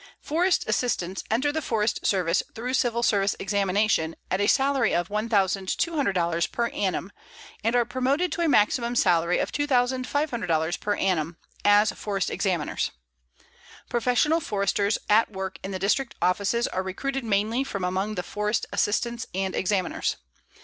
Forest Assistants enter the Forest Service through Civil Service examination at a salary of $1200 per annum, and are promoted to a maximum salary of $2500 per annum, as Forest Examiners. Professional Foresters at work in the District offices are recruited mainly from among the Forest Assistants and Examiners.